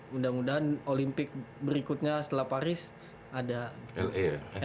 mudah mudahan olimpik berikutnya setelah paris ada la ya